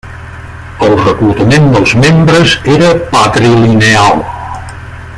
El reclutament dels membres era patrilineal.